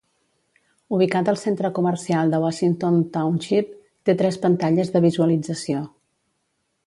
Ubicat al centre comercial de Washington Township, té tres pantalles de visualització.